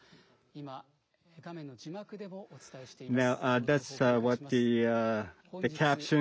今、画面の字幕でもお伝えしています。